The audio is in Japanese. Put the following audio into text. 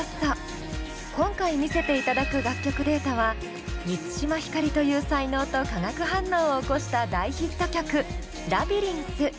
今回見せていただく楽曲データは満島ひかりという才能と化学反応を起こした大ヒット曲「ラビリンス」。